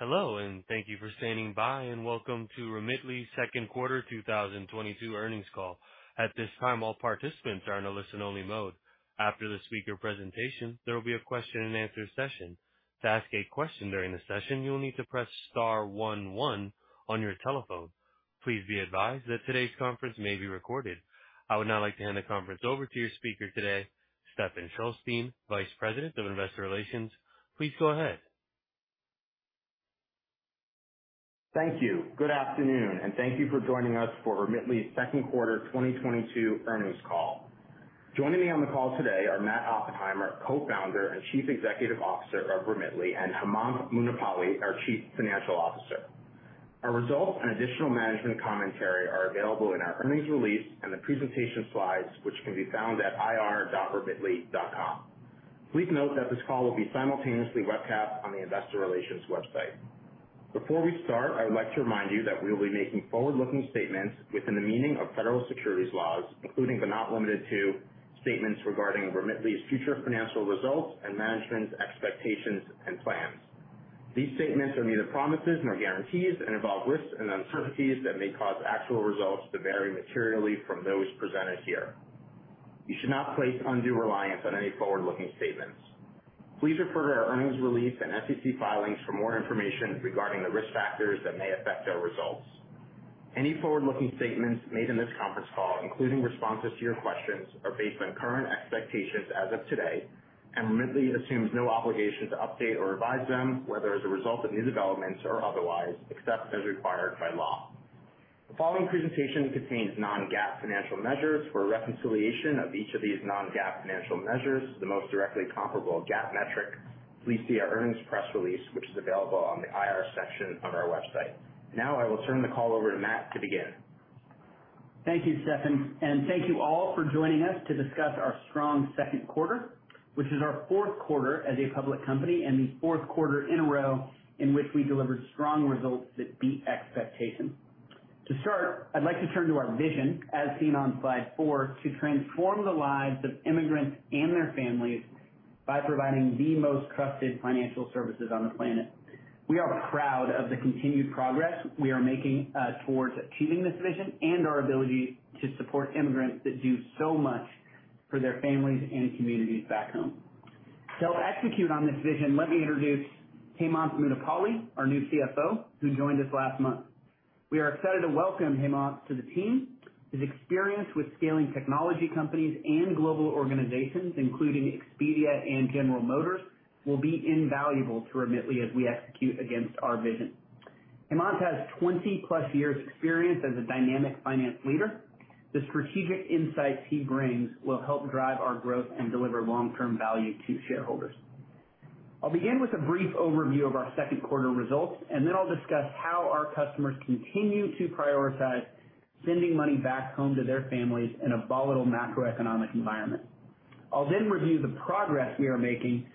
Hello, and thank you for standing by, and welcome to Remitly's second quarter 2022 earnings call. At this time, all participants are in a listen only mode. After the speaker presentation, there will be a question and answer session. To ask a question during the session, you will need to press star one one on your telephone. Please be advised that today's conference may be recorded. I would now like to hand the conference over to your speaker today, Stephen Shulstein, Vice President of Investor Relations. Please go ahead. Thank you. Good afternoon, and thank you for joining us for Remitly's second quarter 2022 earnings call. Joining me on the call today are Matt Oppenheimer, Co-founder and Chief Executive Officer of Remitly, and Hemanth Munipalli, our Chief Financial Officer. Our results and additional management commentary are available in our earnings release and the presentation slides, which can be found at IR.Remitly.com. Please note that this call will be simultaneously webcast on the investor relations website. Before we start, I would like to remind you that we'll be making forward-looking statements within the meaning of federal securities laws, including but not limited to, statements regarding Remitly's future financial results and management expectations and plans. These statements are neither promises nor guarantees and involve risks and uncertainties that may cause actual results to vary materially from those presented here. You should not place undue reliance on any forward-looking statements. Please refer to our earnings release and SEC filings for more information regarding the risk factors that may affect our results. Any forward-looking statements made in this conference call, including responses to your questions, are based on current expectations as of today, and Remitly assumes no obligation to update or revise them, whether as a result of new developments or otherwise, except as required by law. The following presentation contains non-GAAP financial measures. For a reconciliation of each of these non-GAAP financial measures to the most directly comparable GAAP metric, please see our earnings press release, which is available on the IR section of our website. Now I will turn the call over to Matt to begin. Thank you, Stephen, and thank you all for joining us to discuss our strong second quarter, which is our fourth quarter as a public company and the fourth quarter in a row in which we delivered strong results that beat expectations. To start, I'd like to turn to our vision, as seen on slide four, to transform the lives of immigrants and their families by providing the most trusted financial services on the planet. We are proud of the continued progress we are making towards achieving this vision and our ability to support immigrants that do so much for their families and communities back home. To help execute on this vision, let me introduce Hemanth Munipalli, our new CFO, who joined us last month. We are excited to welcome Hemanth to the team. His experience with scaling technology companies and global organizations, including Expedia and General Motors, will be invaluable to Remitly as we execute against our vision. Hemanth has 20+ years experience as a dynamic finance leader. The strategic insights he brings will help drive our growth and deliver long-term value to shareholders. I'll begin with a brief overview of our second quarter results, and then I'll discuss how our customers continue to prioritize sending money back home to their families in a volatile macroeconomic environment. I'll then review the progress we are making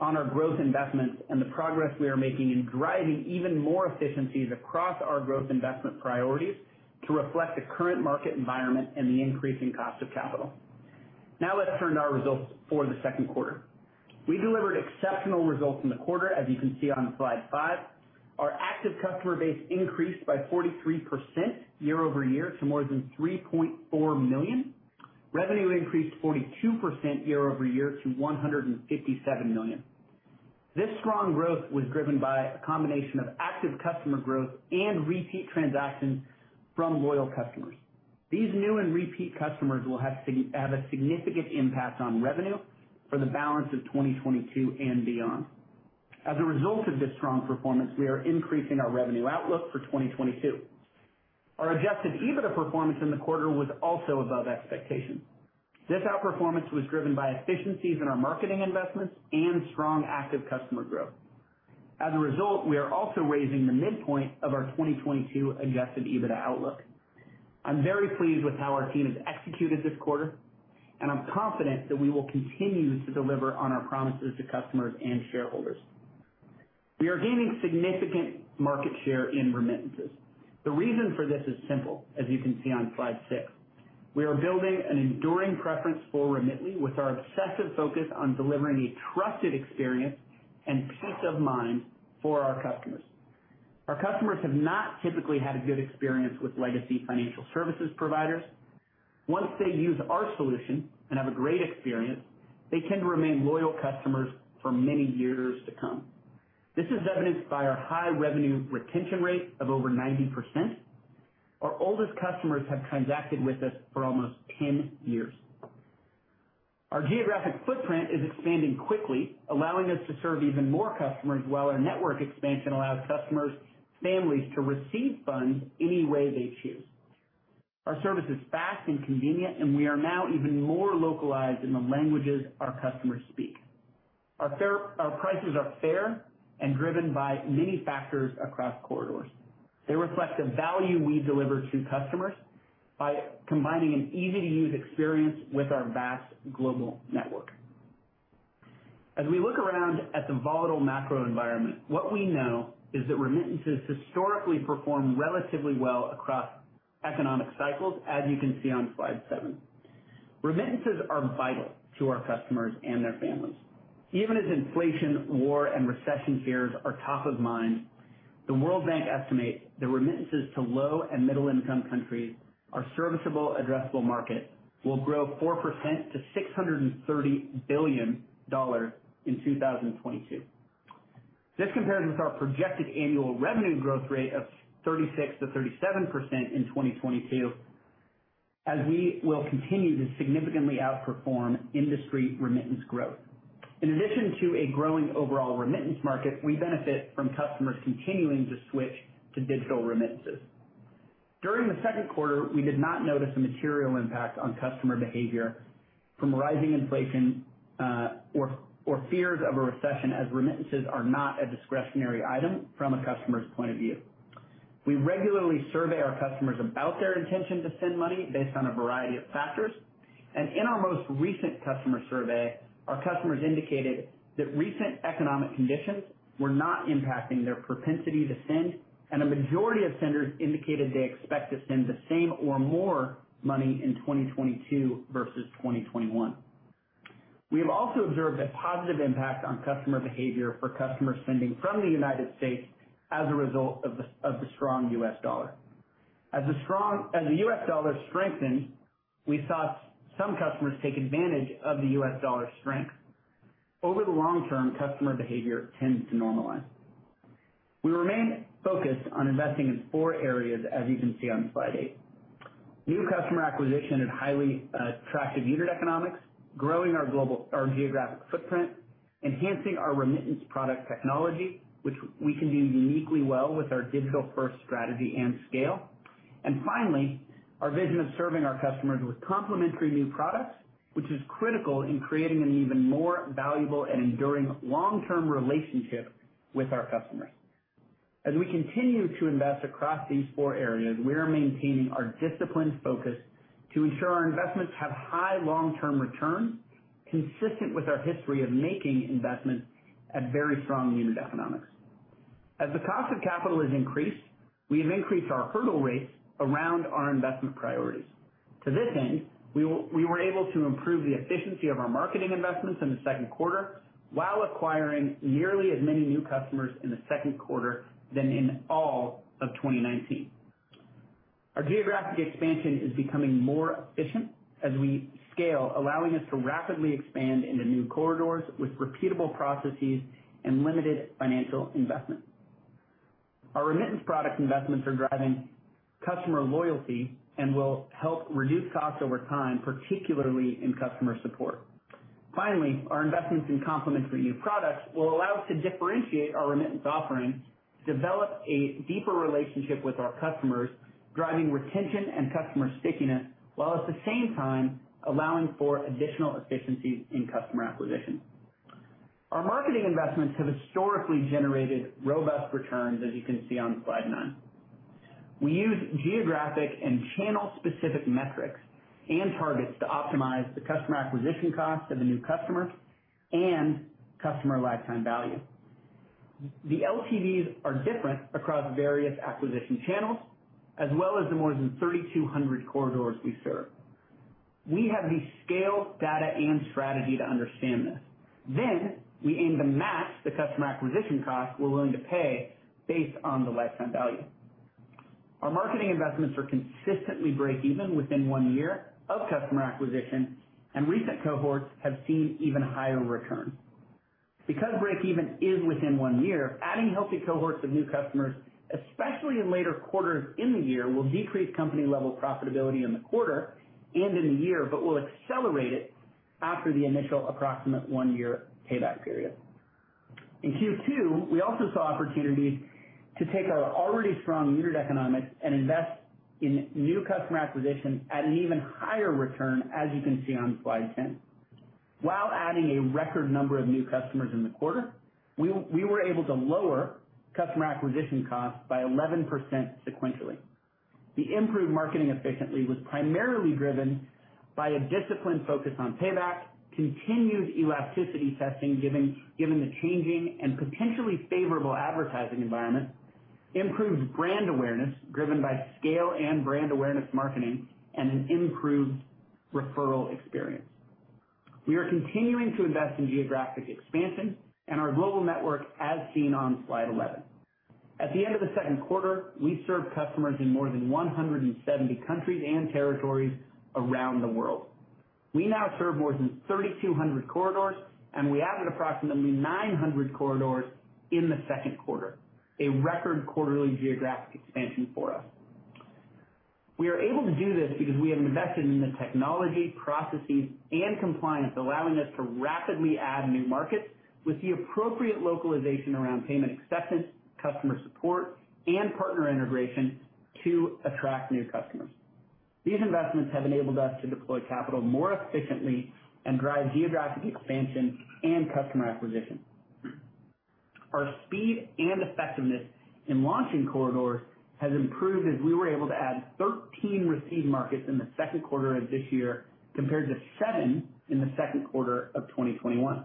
on our growth investments and the progress we are making in driving even more efficiencies across our growth investment priorities to reflect the current market environment and the increasing cost of capital. Now let's turn to our results for the second quarter. We delivered exceptional results in the quarter as you can see on slide five. Our active customer base increased by 43% year-over-year to more than $3.4 million. Revenue increased 42% year-over-year to $157 million. This strong growth was driven by a combination of active customer growth and repeat transactions from loyal customers. These new and repeat customers will have a significant impact on revenue for the balance of 2022 and beyond. As a result of this strong performance, we are increasing our revenue outlook for 2022. Our adjusted EBITDA performance in the quarter was also above expectations. This outperformance was driven by efficiencies in our marketing investments and strong active customer growth. As a result, we are also raising the midpoint of our 2022 adjusted EBITDA outlook. I'm very pleased with how our team has executed this quarter, and I'm confident that we will continue to deliver on our promises to customers and shareholders. We are gaining significant market share in remittances. The reason for this is simple, as you can see on slide six. We are building an enduring preference for Remitly with our obsessive focus on delivering a trusted experience and peace of mind for our customers. Our customers have not typically had a good experience with legacy financial services providers. Once they use our solution and have a great experience, they tend to remain loyal customers for many years to come. This is evidenced by our high revenue retention rate of over 90%. Our oldest customers have transacted with us for almost 10 years. Our geographic footprint is expanding quickly, allowing us to serve even more customers, while our network expansion allows customers' families to receive funds any way they choose. Our service is fast and convenient, and we are now even more localized in the languages our customers speak. Our prices are fair and driven by many factors across corridors. They reflect the value we deliver to customers by combining an easy-to-use experience with our vast global network. As we look around at the volatile macro environment, what we know is that remittances historically perform relatively well across economic cycles, as you can see on slide seven. Remittances are vital to our customers and their families. Even as inflation, war, and recession fears are top of mind, the World Bank estimates that remittances to low and middle-income countries, our serviceable addressable market, will grow 4% to $630 billion in 2022. This compares with our projected annual revenue growth rate of 36%-37% in 2022, as we will continue to significantly outperform industry remittance growth. In addition to a growing overall remittance market, we benefit from customers continuing to switch to digital remittances. During the second quarter, we did not notice a material impact on customer behavior from rising inflation or fears of a recession, as remittances are not a discretionary item from a customer's point of view. We regularly survey our customers about their intention to send money based on a variety of factors. In our most recent customer survey, our customers indicated that recent economic conditions were not impacting their propensity to send, and a majority of senders indicated they expect to send the same or more money in 2022 versus 2021. We have also observed a positive impact on customer behavior for customers sending from the United States as a result of the strong U.S. dollar. As the U.S. dollar strengthened, we saw some customers take advantage of the U.S. dollar strength. Over the long term, customer behavior tends to normalize. We remain focused on investing in four areas, as you can see on slide eight. New customer acquisition at highly attractive unit economics, growing our global geographic footprint, enhancing our remittance product technology, which we can do uniquely well with our digital-first strategy and scale. Finally, our vision of serving our customers with complementary new products, which is critical in creating an even more valuable and enduring long-term relationship with our customers. As we continue to invest across these four areas, we are maintaining our disciplined focus to ensure our investments have high long-term returns, consistent with our history of making investments at very strong unit economics. As the cost of capital has increased, we have increased our hurdle rates around our investment priorities. To this end, we were able to improve the efficiency of our marketing investments in the second quarter while acquiring nearly as many new customers in the second quarter than in all of 2019. Our geographic expansion is becoming more efficient as we scale, allowing us to rapidly expand into new corridors with repeatable processes and limited financial investment. Our remittance product investments are driving customer loyalty and will help reduce costs over time, particularly in customer support. Finally, our investments in complementary new products will allow us to differentiate our remittance offerings, develop a deeper relationship with our customers, driving retention and customer stickiness, while at the same time allowing for additional efficiencies in customer acquisition. Our marketing investments have historically generated robust returns, as you can see on slide nine. We use geographic and channel-specific metrics and targets to optimize the customer acquisition cost of a new customer and customer lifetime value. The LTVs are different across various acquisition channels, as well as the more than 3,200 corridors we serve. We have the scale, data, and strategy to understand this. We aim to match the customer acquisition cost we're willing to pay based on the lifetime value. Our marketing investments are consistently break even within one year of customer acquisition, and recent cohorts have seen even higher returns. Because break even is within one year, adding healthy cohorts of new customers, especially in later quarters in the year, will decrease company-level profitability in the quarter and in the year, but will accelerate it after the initial approximate one-year payback period. In Q2, we also saw opportunities to take our already strong unit economics and invest in new customer acquisition at an even higher return, as you can see on slide 10. While adding a record number of new customers in the quarter, we were able to lower customer acquisition costs by 11% sequentially. The improved marketing efficiency was primarily driven by a disciplined focus on payback, continued elasticity testing, given the changing and potentially favorable advertising environment, improved brand awareness driven by scale and brand awareness marketing, and an improved referral experience. We are continuing to invest in geographic expansion and our global network, as seen on slide 11. At the end of the second quarter, we served customers in more than 170 countries and territories around the world. We now serve more than 3,200 corridors, and we added approximately 900 corridors in the second quarter, a record quarterly geographic expansion for us. We are able to do this because we have invested in the technology, processes, and compliance allowing us to rapidly add new markets with the appropriate localization around payment acceptance, customer support, and partner integration to attract new customers. These investments have enabled us to deploy capital more efficiently and drive geographic expansion and customer acquisition. Our speed and effectiveness in launching corridors has improved as we were able to add 13 receive markets in the second quarter of this year compared to seven in the second quarter of 2021.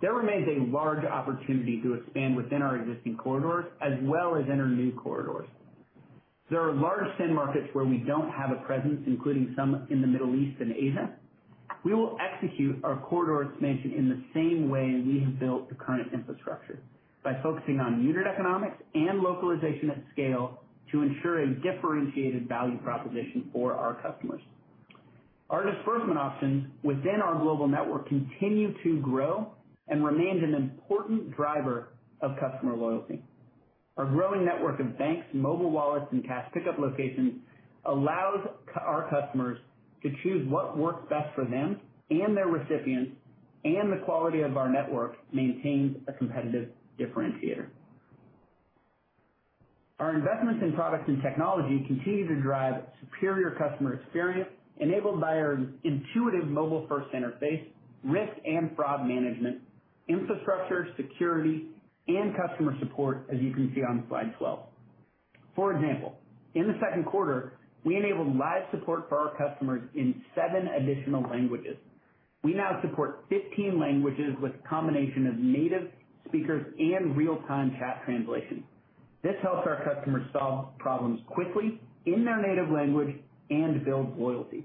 There remains a large opportunity to expand within our existing corridors as well as enter new corridors. There are large send markets where we don't have a presence, including some in the Middle East and Asia. We will execute our corridor expansion in the same way we have built the current infrastructure, by focusing on unit economics and localization at scale to ensure a differentiated value proposition for our customers. Our disbursement options within our global network continue to grow and remains an important driver of customer loyalty. Our growing network of banks, mobile wallets, and cash pickup locations allows our customers to choose what works best for them and their recipients, and the quality of our network maintains a competitive differentiator. Our investments in products and technology continue to drive superior customer experience enabled by our intuitive mobile-first interface, risk and fraud management, infrastructure security, and customer support as you can see on slide 12. For example, in the second quarter, we enabled live support for our customers in seven additional languages. We now support 15 languages with a combination of native speakers and real-time chat translation. This helps our customers solve problems quickly in their native language and builds loyalty.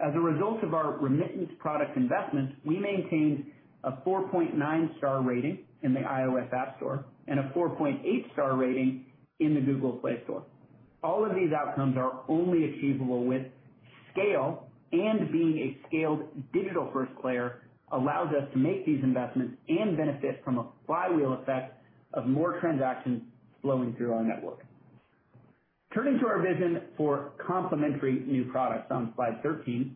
As a result of our remittance product investments, we maintained a 4.9-star rating in the App Store and a 4.8-star rating in the Google Play Store. All of these outcomes are only achievable with scale, and being a scaled digital-first player allows us to make these investments and benefit from a flywheel effect of more transactions flowing through our network. Turning to our vision for complementary new products on slide 13.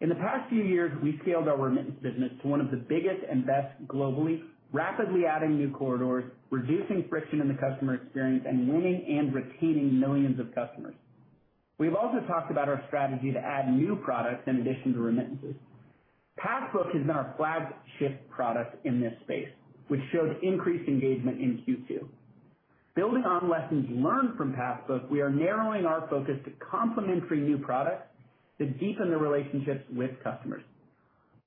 In the past few years, we've scaled our remittance business to one of the biggest and best globally, rapidly adding new corridors, reducing friction in the customer experience, and winning and retaining millions of customers. We've also talked about our strategy to add new products in addition to remittances. Passbook is our flagship product in this space, which showed increased engagement in Q2. Building on lessons learned from Passbook, we are narrowing our focus to complementary new products to deepen the relationships with customers.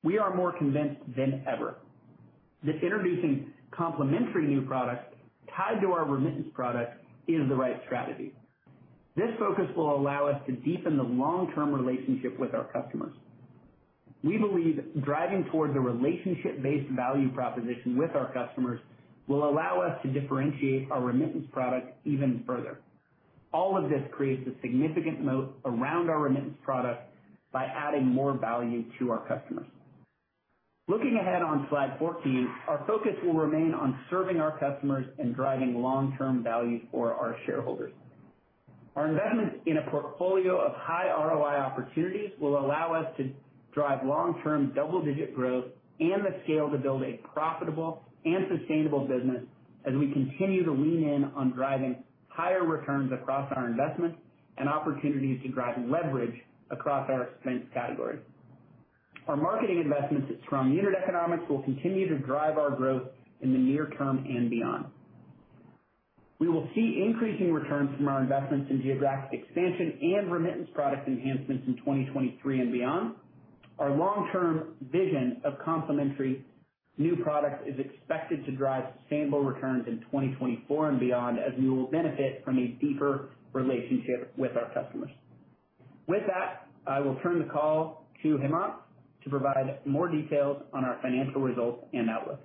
We are more convinced than ever that introducing complementary new products tied to our remittance product is the right strategy. This focus will allow us to deepen the long-term relationship with our customers. We believe driving towards a relationship-based value proposition with our customers will allow us to differentiate our remittance product even further. All of this creates a significant moat around our remittance product by adding more value to our customers. Looking ahead on slide 14, our focus will remain on serving our customers and driving long-term value for our shareholders. Our investments in a portfolio of high ROI opportunities will allow us to drive long-term double-digit growth and the scale to build a profitable and sustainable business as we continue to lean in on driving higher returns across our investments and opportunities to drive leverage across our strength category. Our marketing investments from unit economics will continue to drive our growth in the near term and beyond. We will see increasing returns from our investments in geographic expansion and remittance product enhancements in 2023 and beyond. Our long-term vision of complementary new products is expected to drive sustainable returns in 2024 and beyond as we will benefit from a deeper relationship with our customers. With that, I will turn the call to Hemanth to provide more details on our financial results and outlook.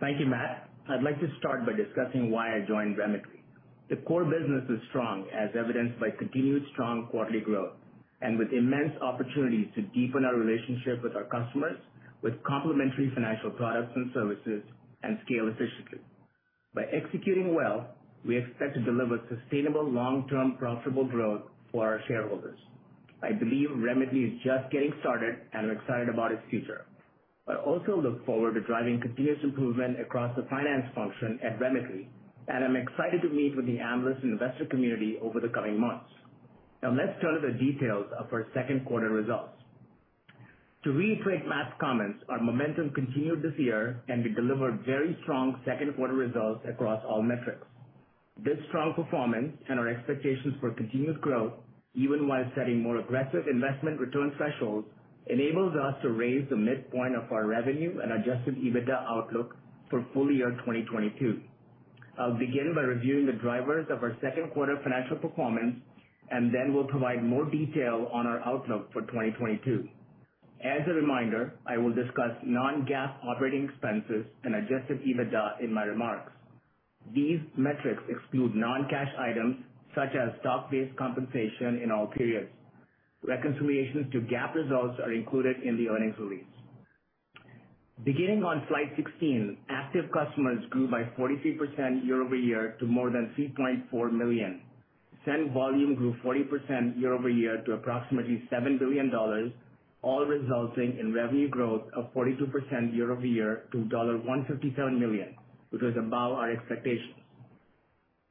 Thank you, Matt. I'd like to start by discussing why I joined Remitly. The core business is strong, as evidenced by continued strong quarterly growth, and with immense opportunities to deepen our relationship with our customers with complementary financial products and services and scale efficiently. By executing well, we expect to deliver sustainable long-term profitable growth for our shareholders. I believe Remitly is just getting started, and I'm excited about its future. I also look forward to driving continuous improvement across the finance function at Remitly, and I'm excited to meet with the analyst investor community over the coming months. Now let's turn to the details of our second quarter results. To rephrase Matt's comments, our momentum continued this year, and we delivered very strong second quarter results across all metrics. This strong performance and our expectations for continuous growth, even while setting more aggressive investment return thresholds, enables us to raise the midpoint of our revenue and adjusted EBITDA outlook for full year 2022. I'll begin by reviewing the drivers of our second quarter financial performance, and then we'll provide more detail on our outlook for 2022. As a reminder, I will discuss non-GAAP operating expenses and adjusted EBITDA in my remarks. These metrics exclude non-cash items such as stock-based compensation in all periods. Reconciliations to GAAP results are included in the earnings release. Beginning on slide 16, active customers grew by 43% year-over-year to more than $3.4 million. Send volume grew 40% year-over-year to approximately $7 billion, all resulting in revenue growth of 42% year-over-year to $157 million, which was above our expectations.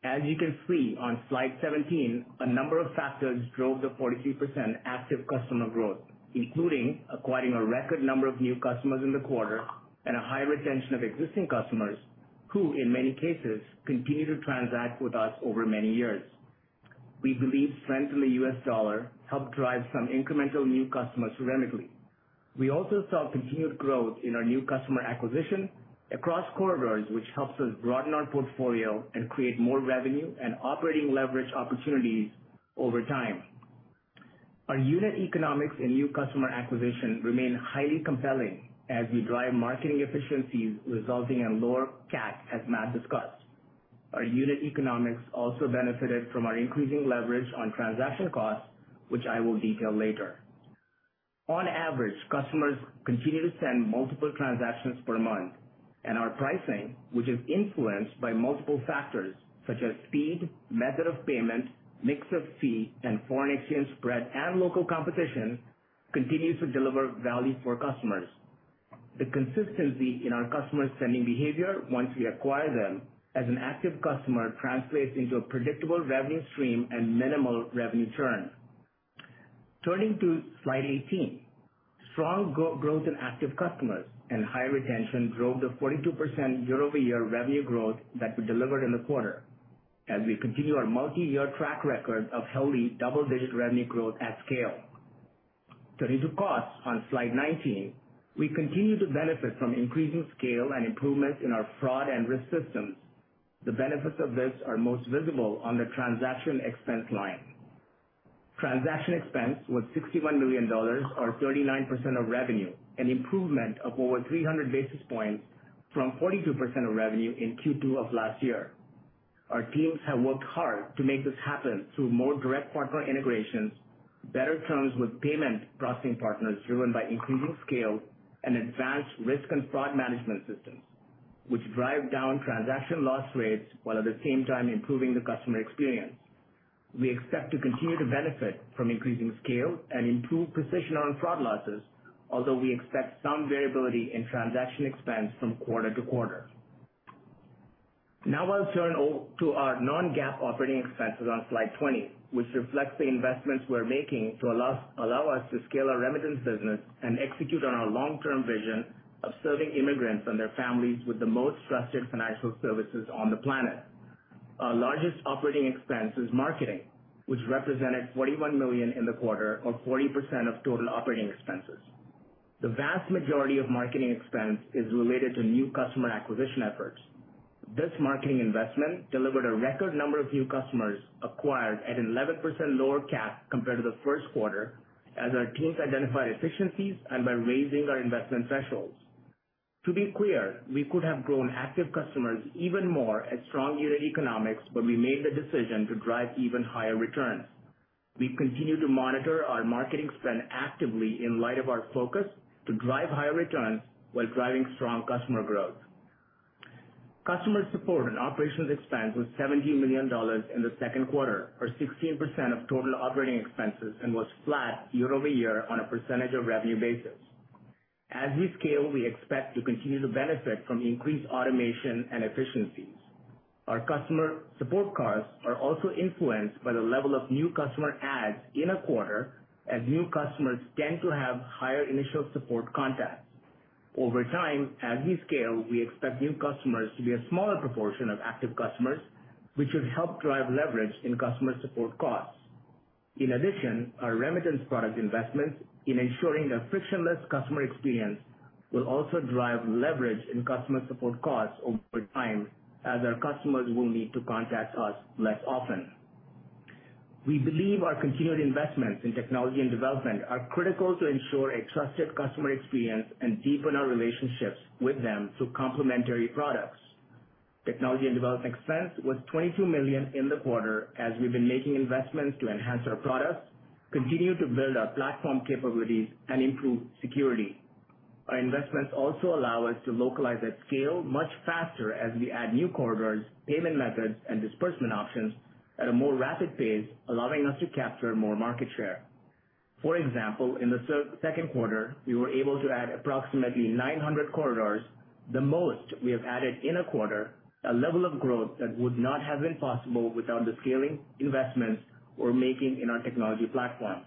As you can see on slide 17, a number of factors drove the 43% active customer growth, including acquiring a record number of new customers in the quarter and a high retention of existing customers who, in many cases, continue to transact with us over many years. We believe strength in the U.S. dollar helped drive some incremental new customers to Remitly. We also saw continued growth in our new customer acquisition across corridors, which helps us broaden our portfolio and create more revenue and operating leverage opportunities over time. Our unit economics and new customer acquisition remain highly compelling as we drive marketing efficiencies resulting in lower CAC, as Matt discussed. Our unit economics also benefited from our increasing leverage on transaction costs, which I will detail later. On average, customers continue to send multiple transactions per month, and our pricing, which is influenced by multiple factors such as speed, method of payment, mix of fee, and foreign exchange spread and local competition, continues to deliver value for customers. The consistency in our customer-sending behavior once we acquire them as an active customer translates into a predictable revenue stream and minimal revenue churn. Turning to slide 18. Strong growth in active customers and higher retention drove the 42% year-over-year revenue growth that we delivered in the quarter as we continue our multi-year track record of healthy double-digit revenue growth at scale. Turning to costs on slide 19. We continue to benefit from increasing scale and improvements in our fraud and risk systems. The benefits of this are most visible on the transaction expense line. Transaction expense was $61 million or 39% of revenue, an improvement of over 300 basis points from 42% of revenue in Q2 of last year. Our teams have worked hard to make this happen through more direct partner integrations, better terms with payment processing partners driven by increasing scale and advanced risk and fraud management systems, which drive down transaction loss rates while at the same time improving the customer experience. We expect to continue to benefit from increasing scale and improved precision on fraud losses, although we expect some variability in transaction expense from quarter to quarter. Now I'll turn to our non-GAAP operating expenses on slide 20, which reflects the investments we're making to allow us to scale our remittance business and execute on our long-term vision of serving immigrants and their families with the most trusted financial services on the planet. Our largest operating expense is marketing, which represented $41 million in the quarter, or 40% of total operating expenses. The vast majority of marketing expense is related to new customer acquisition efforts. This marketing investment delivered a record number of new customers acquired at 11% lower CAC compared to the first quarter as our teams identified efficiencies and by raising our investment thresholds. To be clear, we could have grown active customers even more at strong unit economics, but we made the decision to drive even higher returns. We continue to monitor our marketing spend actively in light of our focus to drive higher returns while driving strong customer growth. Customer support and operations expense was $17 million in the second quarter, or 16% of total operating expenses and was flat year-over-year on a percentage of revenue basis. As we scale, we expect to continue to benefit from increased automation and efficiencies. Our customer support costs are also influenced by the level of new customer adds in a quarter, as new customers tend to have higher initial support contacts. Over time, as we scale, we expect new customers to be a smaller proportion of active customers, which should help drive leverage in customer support costs. In addition, our remittance product investments in ensuring a frictionless customer experience will also drive leverage in customer support costs over time as our customers will need to contact us less often. We believe our continued investments in technology and development are critical to ensure a trusted customer experience and deepen our relationships with them through complementary products. Technology and development expense was $22 million in the quarter as we've been making investments to enhance our products, continue to build our platform capabilities and improve security. Our investments also allow us to localize at scale much faster as we add new corridors, payment methods, and disbursement options at a more rapid pace, allowing us to capture more market share. For example, in the second quarter, we were able to add approximately 900 corridors, the most we have added in a quarter, a level of growth that would not have been possible without the scaling investments we're making in our technology platform.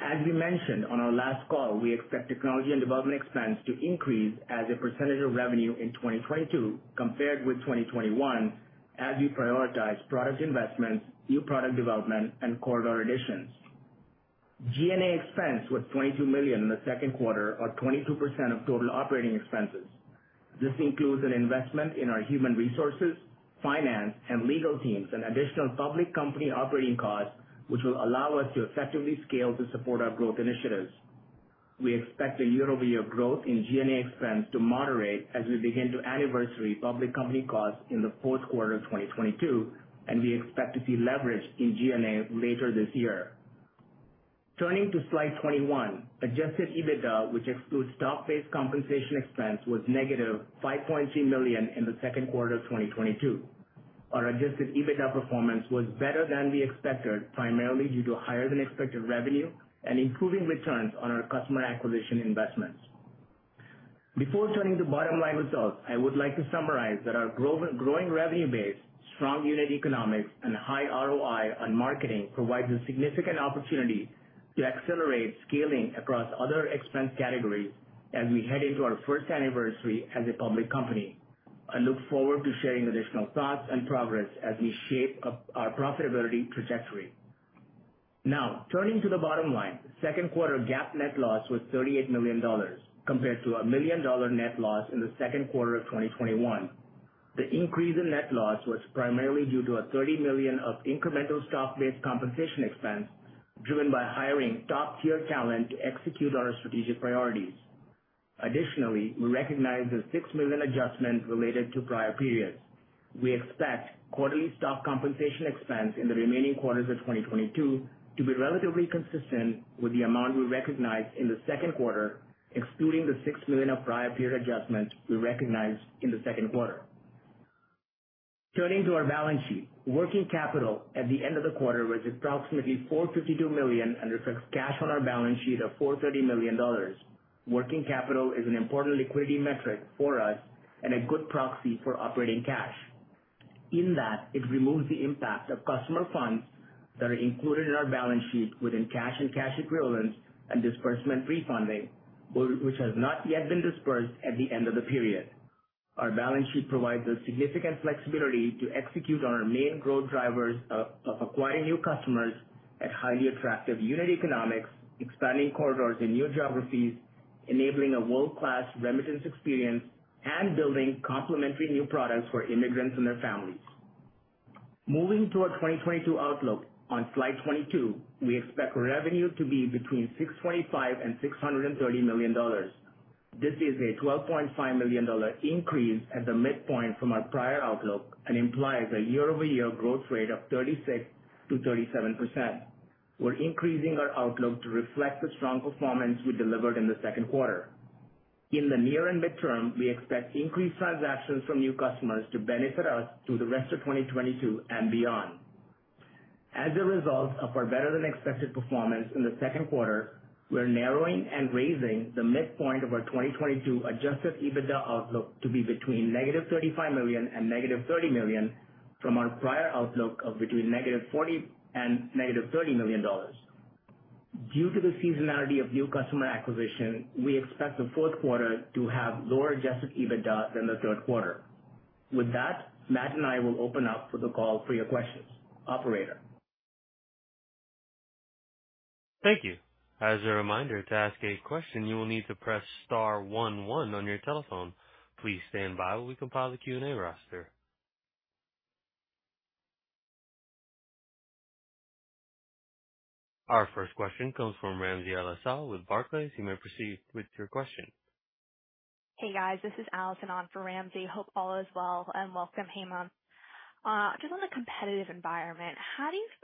As we mentioned on our last call, we expect technology and development expense to increase as a percentage of revenue in 2022 compared with 2021 as we prioritize product investments, new product development and corridor additions. G&A expense was $22 million in the second quarter, or 22% of total operating expenses. This includes an investment in our human resources, finance, and legal teams, and additional public company operating costs, which will allow us to effectively scale to support our growth initiatives. We expect a year-over-year growth in G&A expense to moderate as we begin to anniversary public company costs in the fourth quarter of 2022, and we expect to see leverage in G&A later this year. Turning to slide 21. Adjusted EBITDA, which excludes stock-based compensation expense, was -$5.2 million in the second quarter of 2022. Our adjusted EBITDA performance was better than we expected, primarily due to higher than expected revenue and improving returns on our customer acquisition investments. Before turning to bottom-line results, I would like to summarize that our growing revenue base, strong unit economics and high ROI on marketing provides a significant opportunity to accelerate scaling across other expense categories as we head into our first anniversary as a public company. I look forward to sharing additional thoughts and progress as we shape our profitability trajectory. Now, turning to the bottom line. Second quarter GAAP net loss was $38 million compared to a $1 million net loss in the second quarter of 2021. The increase in net loss was primarily due to a $30 million of incremental stock-based compensation expense driven by hiring top-tier talent to execute on our strategic priorities. Additionally, we recognized a $6 million adjustment related to prior periods. We expect quarterly stock compensation expense in the remaining quarters of 2022 to be relatively consistent with the amount we recognized in the second quarter, excluding the $6 million of prior period adjustments we recognized in the second quarter. Turning to our balance sheet. Working capital at the end of the quarter was approximately $452 million and reflects cash on our balance sheet of $430 million. Working capital is an important liquidity metric for us and a good proxy for operating cash. In that it removes the impact of customer funds that are included in our balance sheet within cash and cash equivalents and disbursement prefunding, which has not yet been disbursed at the end of the period. Our balance sheet provides us significant flexibility to execute on our main growth drivers of acquiring new customers at highly attractive unit economics, expanding corridors in new geographies, enabling a world-class remittance experience, and building complementary new products for immigrants and their families. Moving to our 2022 outlook on slide 22, we expect revenue to be between $625 million and $630 million. This is a $12.5 million increase at the midpoint from our prior outlook and implies a year-over-year growth rate of 36%-37%. We're increasing our outlook to reflect the strong performance we delivered in the second quarter. In the near and midterm, we expect increased transactions from new customers to benefit us through the rest of 2022 and beyond. As a result of our better than expected performance in the second quarter, we're narrowing and raising the midpoint of our 2022 adjusted EBITDA outlook to be between -$35 million and -$30 million from our prior outlook of between -$40 million and -$30 million. Due to the seasonality of new customer acquisition, we expect the fourth quarter to have lower adjusted EBITDA than the third quarter. With that, Matt and I will open up for the call for your questions. Operator? Thank you. As a reminder, to ask a question, you will need to press star one one on your telephone. Please stand by while we compile the Q&A roster. Our first question comes from Ramsey El-Assal with Barclays. You may proceed with your question. Hey, guys. This is Allison on for Ramsey. Hope all is well, and welcome, Hemanth. Just on the competitive environment,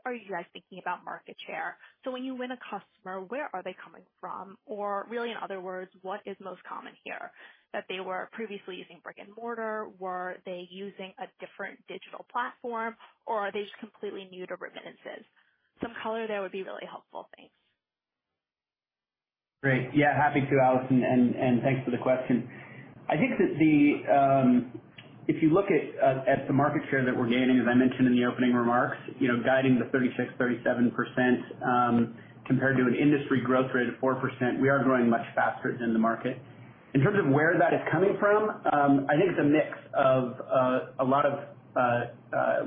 are you guys thinking about market share? When you win a customer, where are they coming from? Or really, in other words, what is most common here? That they were previously using brick and mortar? Were they using a different digital platform or are they just completely new to remittances? Some color there would be really helpful. Thanks. Great. Yeah, happy to, Allison, and thanks for the question. I think that if you look at the market share that we're gaining, as I mentioned in the opening remarks, you know, guiding the 36%-37%, compared to an industry growth rate of 4%, we are growing much faster than the market. In terms of where that is coming from, I think it's a mix of a lot of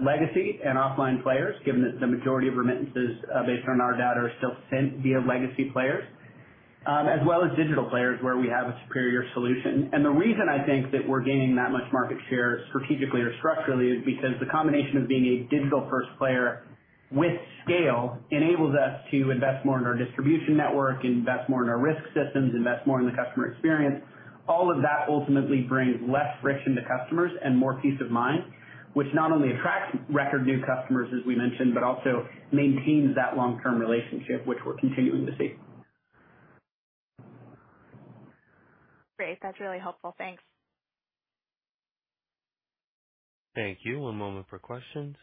legacy and offline players, given that the majority of remittances, based on our data, are still sent via legacy players, as well as digital players where we have a superior solution. The reason I think that we're gaining that much market share strategically or structurally is because the combination of being a digital-first player with scale enables us to invest more in our distribution network, invest more in our risk systems, invest more in the customer experience. All of that ultimately brings less friction to customers and more peace of mind, which not only attracts record new customers, as we mentioned, but also maintains that long-term relationship which we're continuing to see. Great. That's really helpful. Thanks. Thank you. One moment for questions.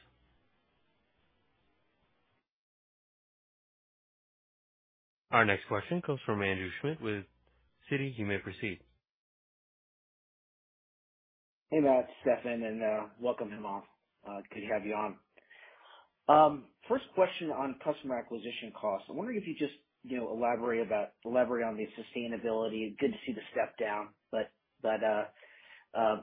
Our next question comes from Andrew Schmidt with Citi. You may proceed. Hey, Matt, Stephen. Welcome, Hemanth. Good to have you on. First question on customer acquisition costs. I'm wondering if you just, you know, elaborate about the levers and the sustainability. Good to see the step down, but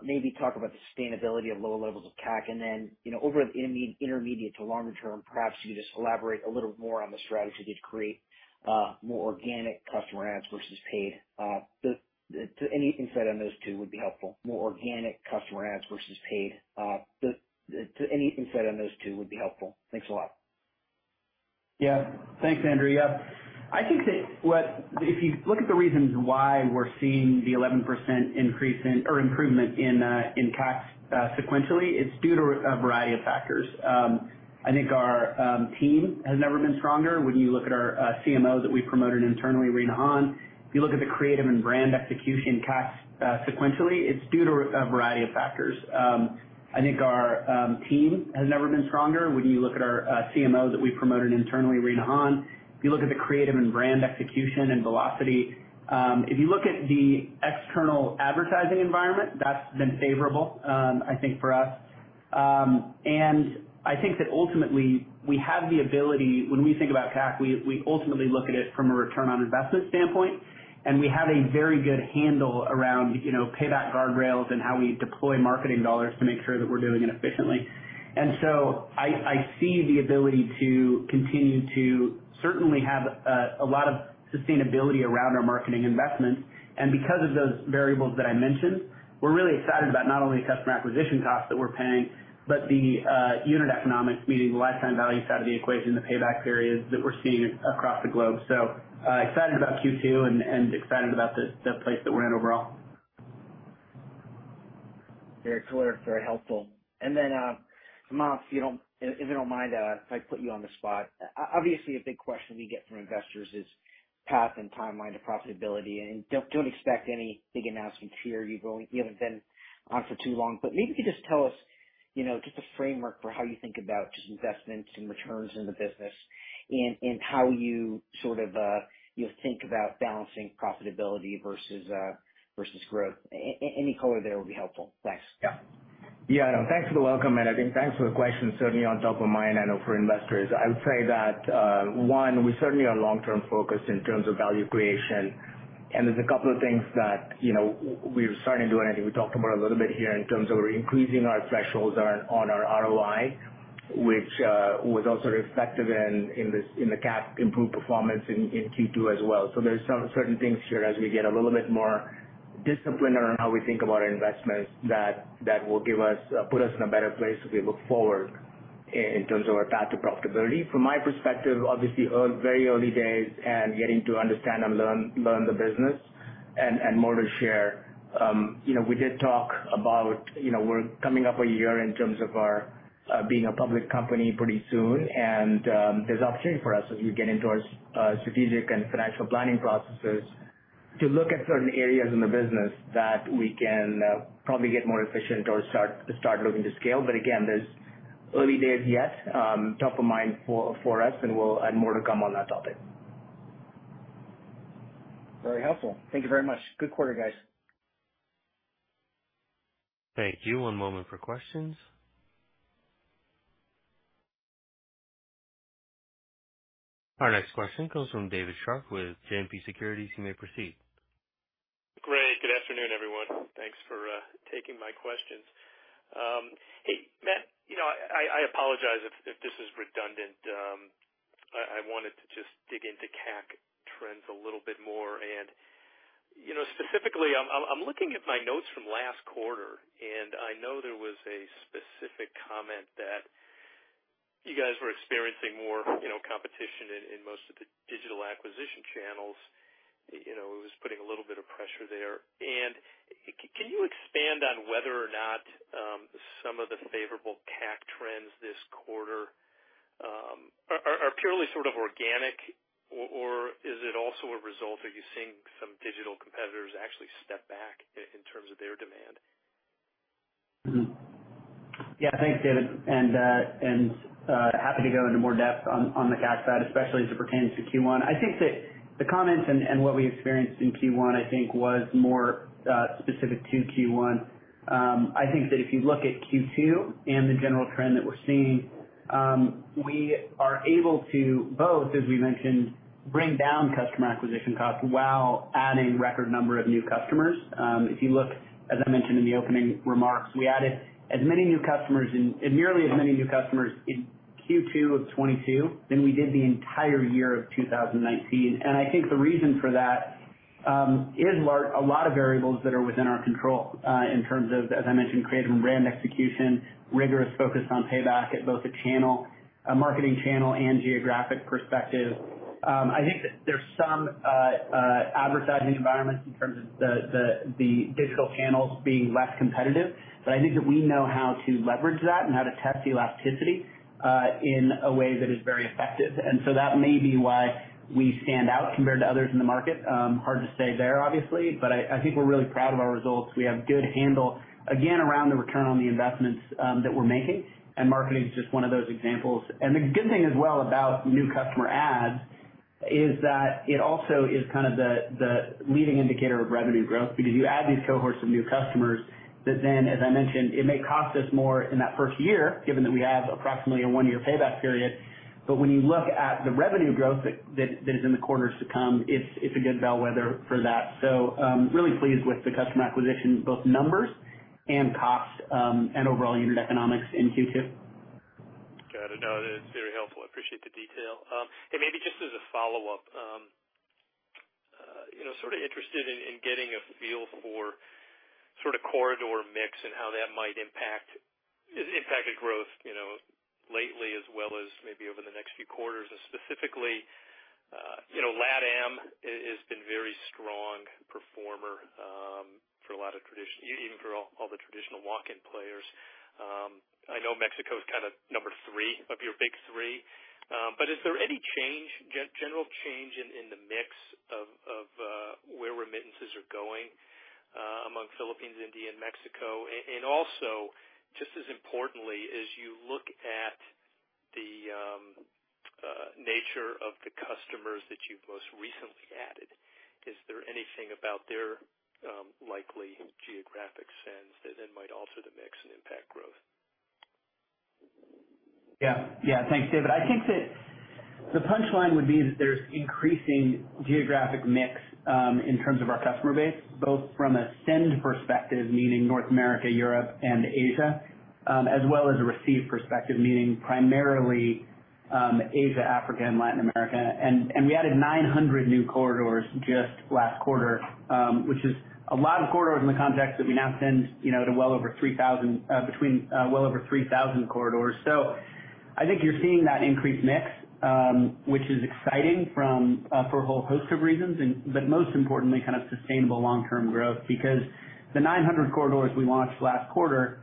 maybe talk about the sustainability of lower levels of CAC and then, you know, in the intermediate to longer term, perhaps you could just elaborate a little more on the strategy to create more organic customer adds versus paid. Any insight on those two would be helpful. Thanks a lot. Yeah. Thanks, Andrew. Yeah. I think if you look at the reasons why we're seeing the 11% increase or improvement in CAC sequentially, it's due to a variety of factors. I think our team has never been stronger. When you look at our CMO that we promoted internally, Rina Hahn. If you look at the creative and brand execution and velocity. If you look at the external advertising environment, that's been favorable, I think for us. I think that ultimately we have the ability. When we think about CAC, we ultimately look at it from a return on investment standpoint, and we have a very good handle around, you know, payback guardrails and how we deploy marketing dollars to make sure that we're doing it efficiently. I see the ability to continue to certainly have a lot of sustainability around our marketing investments. Because of those variables that I mentioned, we're really excited about not only customer acquisition costs that we're paying, but the unit economics, meaning the lifetime value side of the equation, the payback periods that we're seeing across the globe. Excited about Q2 and excited about the place that we're in overall. Very clear. Very helpful. Hemanth, you know, if you don't mind, if I put you on the spot. Obviously, a big question we get from investors is path and timeline to profitability. Don't expect any big announcements here. You haven't been on for too long. Maybe you could just tell us, you know, just a framework for how you think about just investments and returns in the business and, how you sort of, you know, think about balancing profitability versus growth. Any color there will be helpful. Thanks. Yeah. Yeah. No, thanks for the welcome, and I think thanks for the question. Certainly on top of mind, I know, for investors. I would say that one, we certainly are long-term focused in terms of value creation. There's a couple of things that, you know, we are starting to do, and I think we talked about a little bit here in terms of we're increasing our thresholds on our ROI, which was also reflected in this in the CAC improved performance in Q2 as well. There's some certain things here as we get a little bit more disciplined around how we think about our investments that will put us in a better place as we look forward in terms of our path to profitability. From my perspective, obviously very early days and getting to understand and learn the business and more to share. You know, we did talk about, you know, we're coming up a year in terms of our being a public company pretty soon. There's opportunity for us as we get into our strategic and financial planning processes to look at certain areas in the business that we can probably get more efficient or start looking to scale. Again, there's early days yet, top of mind for us, and we'll add more to come on that topic. Very helpful. Thank you very much. Good quarter, guys. Thank you. One moment for questions. Our next question comes from David Scharf with JMP Securities. You may proceed. Great. Good afternoon, everyone. Thanks for taking my questions. Hey, Matt, you know, I apologize if this is redundant. I wanted to just dig into CAC trends a little bit more. You know, specifically, I'm looking at my notes from last quarter, and I know there was a specific comment that you guys were experiencing more competition in most of the digital acquisition channels. You know, it was putting a little bit of pressure there. Can you expand on whether or not some of the favorable CAC trends this quarter are purely sort of organic, or is it also a result of you seeing some digital competitors actually step back in terms of their demand? Thanks, David, happy to go into more depth on the CAC side, especially as it pertains to Q1. I think that the comments and what we experienced in Q1, I think, was more specific to Q1. I think that if you look at Q2 and the general trend that we're seeing, we are able to both, as we mentioned, bring down customer acquisition costs while adding record number of new customers. If you look, as I mentioned in the opening remarks, we added nearly as many new customers in Q2 of 2022 than we did the entire year of 2019. I think the reason for that is a lot of variables that are within our control, in terms of, as I mentioned, creative and brand execution, rigorous focus on payback at both the channel, marketing channel and geographic perspective. I think that there's some advertising environments in terms of the digital channels being less competitive. I think that we know how to leverage that and how to test elasticity, in a way that is very effective. That may be why we stand out compared to others in the market. Hard to say there obviously, but I think we're really proud of our results. We have good handle, again, around the return on the investments, that we're making, and marketing is just one of those examples. The good thing as well about new customer adds is that it also is kind of the leading indicator of revenue growth because you add these cohorts of new customers that then, as I mentioned, it may cost us more in that first year, given that we have approximately a one-year payback period. But when you look at the revenue growth that is in the quarters to come, it's a good bellwether for that. Really pleased with the customer acquisition, both numbers and costs, and overall unit economics in Q2. Got it. No, that's very helpful. I appreciate the detail. Maybe just as a follow-up, you know, sort of interested in getting a feel for sort of corridor mix and how that might impact, has impacted growth, you know, lately as well as maybe over the next few quarters. Specifically, you know, LATAM has been very strong performer for a lot of traditional, even for all the traditional walk-in players. I know Mexico is kinda number three of your big three. But is there any general change in the mix of where remittances are going among Philippines, India, and Mexico? Also, just as importantly, as you look at the nature of the customers that you've most recently added. Is there anything about their likely geographic sends that then might alter the mix and impact growth? Yeah. Yeah. Thanks, David. I think that the punchline would be that there's increasing geographic mix in terms of our customer base, both from a send perspective, meaning North America, Europe, and Asia, as well as a receive perspective, meaning primarily Asia, Africa, and Latin America. We added 900 new corridors just last quarter, which is a lot of corridors in the context that we now send, you know, to well over 3,000 corridors. I think you're seeing that increased mix, which is exciting, for a whole host of reasons, but most importantly, kind of sustainable long-term growth because the 900 corridors we launched last quarter,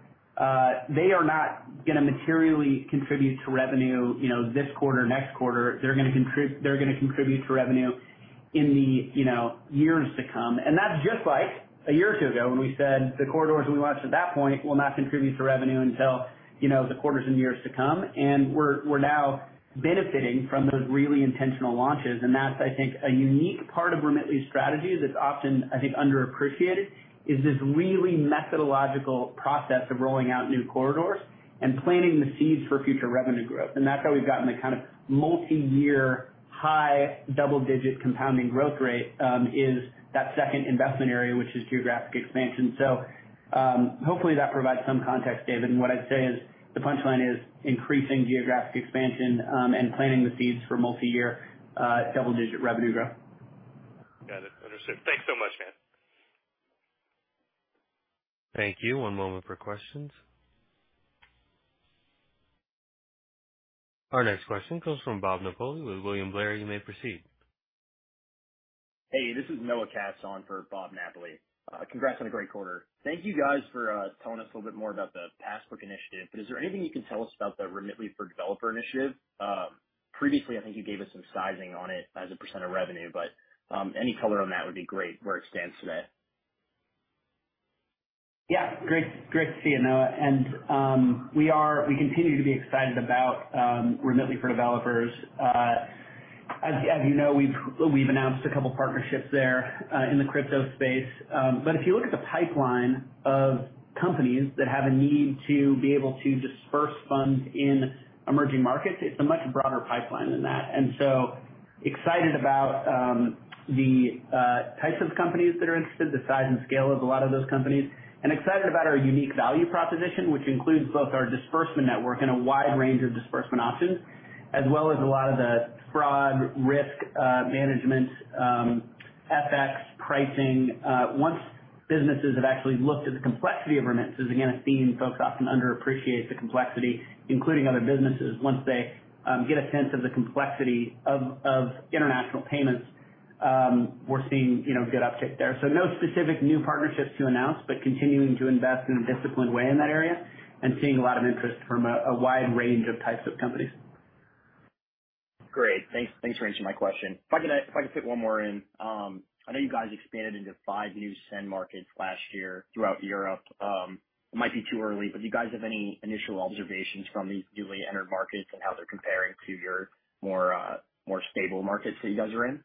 they are not gonna materially contribute to revenue, you know, this quarter, next quarter. They're gonna contribute to revenue in the, you know, years to come. That's just like a year or two ago when we said the corridors we launched at that point will not contribute to revenue until, you know, the quarters and years to come. We're now benefiting from those really intentional launches. That's, I think, a unique part of Remitly's strategy that's often, I think, underappreciated is this really methodical process of rolling out new corridors and planting the seeds for future revenue growth. That's how we've gotten the kind of multiyear high double-digit compounding growth rate is that second investment area, which is geographic expansion. Hopefully that provides some context, David. What I'd say is the punchline is increasing geographic expansion and planting the seeds for multiyear double-digit revenue growth. Got it. Understood. Thanks so much, Matt. Thank you. One moment for questions. Our next question comes from Bob Napoli with William Blair. You may proceed. Hey, this is Noah Katz on for Bob Napoli. Congrats on a great quarter. Thank you guys for telling us a little bit more about the Passbook initiative, but is there anything you can tell us about the Remitly for Developers initiative? Previously I think you gave us some sizing on it as a percent of revenue, but any color on that would be great where it stands today. Yeah. Great to see you, Noah. We continue to be excited about Remitly for Developers. As you know, we've announced a couple partnerships there in the crypto space. But if you look at the pipeline of companies that have a need to be able to disperse funds in emerging markets, it's a much broader pipeline than that. Excited about the types of companies that are interested, the size and scale of a lot of those companies, and excited about our unique value proposition, which includes both our disbursement network and a wide range of disbursement options, as well as a lot of the fraud risk management, FX pricing. Once businesses have actually looked at the complexity of remittances, again, a theme folks often underappreciate the complexity, including other businesses. Once they get a sense of the complexity of international payments, we're seeing, you know, good uptick there. No specific new partnerships to announce, but continuing to invest in a disciplined way in that area and seeing a lot of interest from a wide range of types of companies. Great. Thanks. Thanks for answering my question. If I could fit one more in. I know you guys expanded into five new send markets last year throughout Europe. It might be too early, but do you guys have any initial observations from these newly entered markets and how they're comparing to your more stable markets that you guys are in?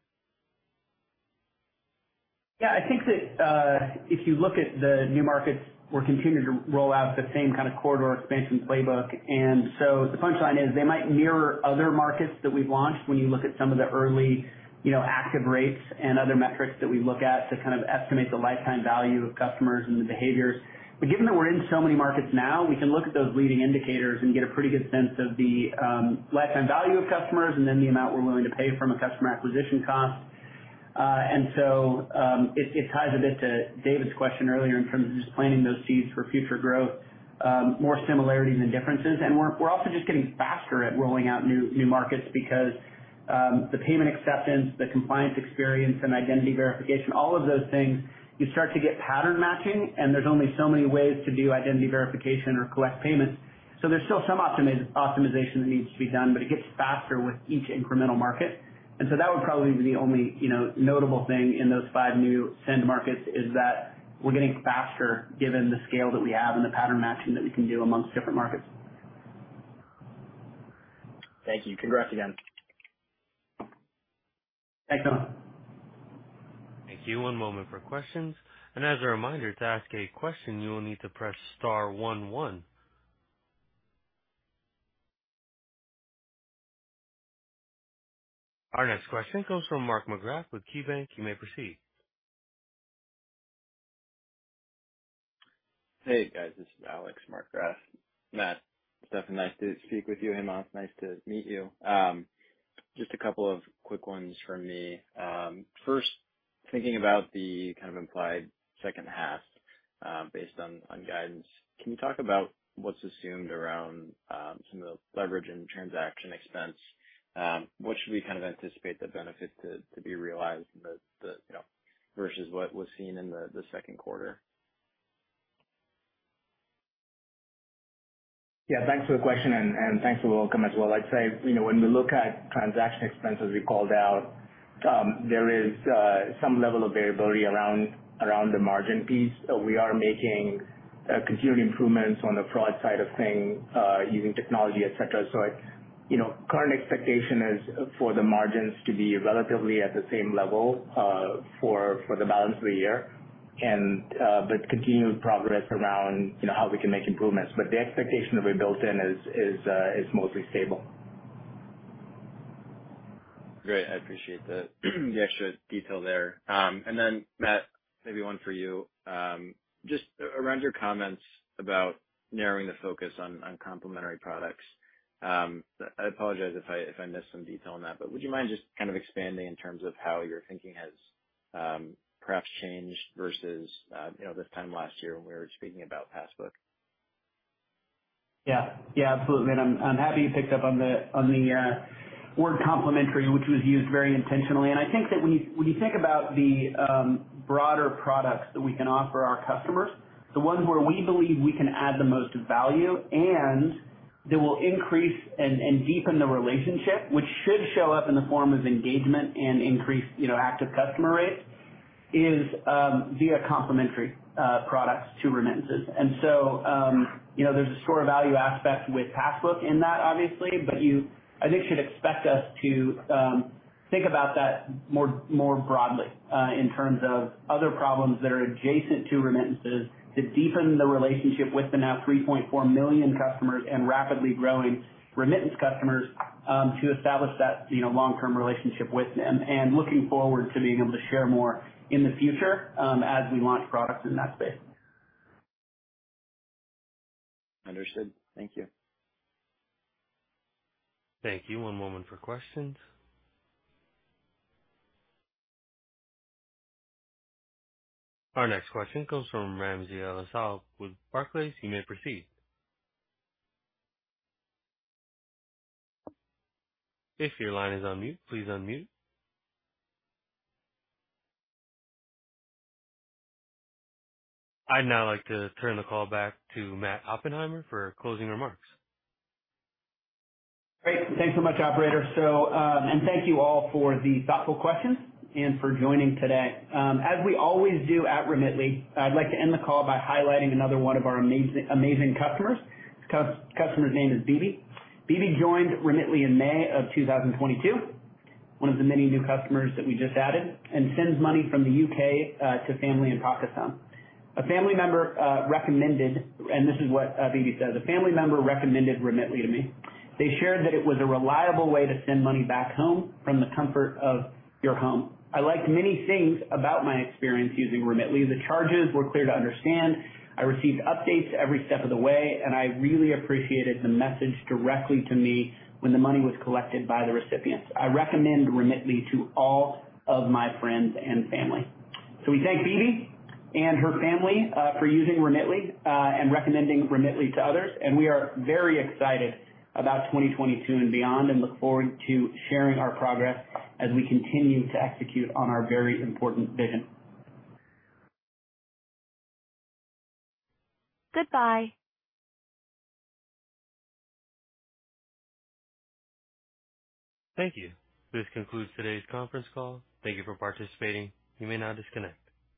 Yeah. I think that if you look at the new markets, we're continuing to roll out the same kind of corridor expansion playbook. The punchline is they might mirror other markets that we've launched when you look at some of the early, you know, active rates and other metrics that we look at to kind of estimate the lifetime value of customers and the behaviors. Given that we're in so many markets now, we can look at those leading indicators and get a pretty good sense of the lifetime value of customers and then the amount we're willing to pay from a customer acquisition cost. It ties a bit to David's question earlier in terms of just planting those seeds for future growth, more similarities than differences. We're also just getting faster at rolling out new markets because the payment acceptance, the compliance experience and identity verification, all of those things, you start to get pattern matching, and there's only so many ways to do identity verification or collect payments. There's still some optimization that needs to be done, but it gets faster with each incremental market. That would probably be the only, you know, notable thing in those five new send markets is that we're getting faster given the scale that we have and the pattern matching that we can do among different markets. Thank you. Congrats again. Thanks, Noah. Thank you. One moment for questions. As a reminder, to ask a question, you will need to press star one one. Our next question comes from Mark Markgraff with KeyBanc. You may proceed. Hey, guys. This is Alex Markgraff. Matt, Stephen, nice to speak with you. Hemanth, nice to meet you. Just a couple of quick ones from me. First, thinking about the kind of implied second half, based on guidance, can you talk about what's assumed around some of the leverage and transaction expense? What should we kind of anticipate the benefit to be realized the you know versus what was seen in the second quarter? Yeah, thanks for the question and thanks for the welcome as well. I'd say, you know, when we look at transaction expenses we called out. There is some level of variability around the margin piece. We are making continued improvements on the fraud side of things using technology, et cetera. You know, current expectation is for the margins to be relatively at the same level for the balance of the year and but continued progress around, you know, how we can make improvements. The expectation that we built in is mostly stable. Great. I appreciate the extra detail there. Matt, maybe one for you. Just around your comments about narrowing the focus on complementary products. I apologize if I missed some detail on that, but would you mind just kind of expanding in terms of how your thinking has perhaps changed versus you know, this time last year when we were speaking about Passbook? Yeah. Yeah, absolutely. I'm happy you picked up on the word complementary, which was used very intentionally. I think that when you think about the broader products that we can offer our customers, the ones where we believe we can add the most value and that will increase and deepen the relationship, which should show up in the form of engagement and increased, you know, active customer rates is via complementary products to remittances. You know, there's a store of value aspect with Passbook in that, obviously. You, I think, should expect us to think about that more broadly in terms of other problems that are adjacent to remittances to deepen the relationship with the now 3.4 million customers and rapidly growing remittance customers to establish that, you know, long-term relationship with them, and looking forward to being able to share more in the future as we launch products in that space. Understood. Thank you. Thank you. One moment for questions. Our next question comes from Ramsey El-Assal with Barclays. You may proceed. If your line is on mute, please unmute. I'd now like to turn the call back to Matt Oppenheimer for closing remarks. Great. Thanks so much, operator. Thank you all for the thoughtful questions and for joining today. As we always do at Remitly, I'd like to end the call by highlighting another one of our amazing customers. Customer's name is Bibi. Bibi joined Remitly in May 2022, one of the many new customers that we just added, and sends money from the U.K. to family in Pakistan. A family member recommended, and this is what Bibi says: "A family member recommended Remitly to me. They shared that it was a reliable way to send money back home from the comfort of your home. I liked many things about my experience using Remitly. The charges were clear to understand. I received updates every step of the way, and I really appreciated the message directly to me when the money was collected by the recipient. I recommend Remitly to all of my friends and family." We thank Bibi and her family for using Remitly and recommending Remitly to others. We are very excited about 2022 and beyond and look forward to sharing our progress as we continue to execute on our very important vision. Goodbye. Thank you. This concludes today's conference call. Thank you for participating. You may now disconnect.